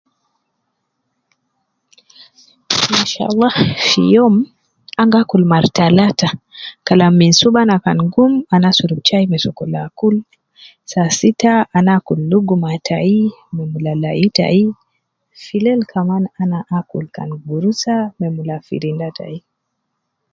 Mashallah fi youm an gi akulu mara talata, kalam minsubu ana kan gumu ana gi asurub chai ma sokol akul, saa sitta ana akulu luguma tayi ma mula layu tayi, fi leil kaman ana akul kan gurusa ma mula firinda tayi.